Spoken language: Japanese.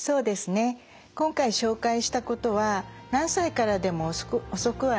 今回紹介したことは何歳からでも遅くはありません。